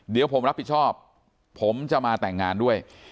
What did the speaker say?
เดี๋ยวผมรับผิดชอบผมจะมาแต่งงานด้วย